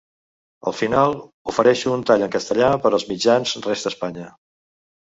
Al final ofereixo un tall en castellà per als mitjans resta Espanya.